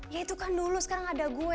ya itu kan dulu sekarang ada gue